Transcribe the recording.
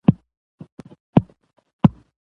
که تر اخیره مو لوستې وي